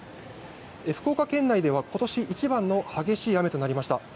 福岡県内では今年一番の激しい雨となりました。